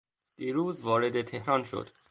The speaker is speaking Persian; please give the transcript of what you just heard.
دیروز وارد تهران شد.